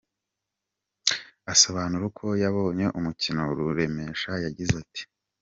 Asobanura uko yabonye umukino, Ruremesha yagize ati:.